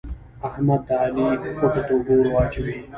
احمد د علي خوټو ته اوبه ور اچوي.